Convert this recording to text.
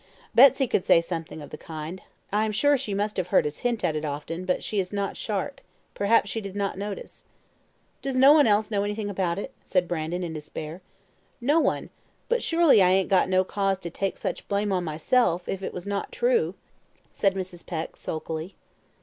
"Betsy could say something of the kind. I am sure she must have heard us hint at it often, but she is not sharp. Perhaps she did not notice." "Does no one else know anything about it?" said Brandon, in despair. "No one; but surely I ain't got no cause to take such blame on myself, if it was not true," said Mrs. Peck, sulkily.